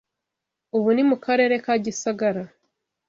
Ubu ni mu Karere ka Gisagara.